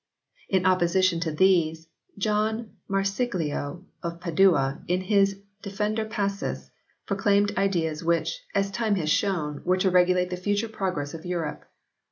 In opposition to these, John Marsiglio of Padua, in his Defensor Pads, proclaimed ideas which, as time has shown, were to regulate the future progress of Europe.